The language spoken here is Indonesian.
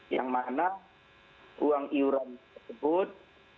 yang mana uang iuran tersebut